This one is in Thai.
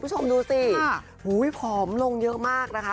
คุณผู้ชมดูสิผอมลงเยอะมากนะคะ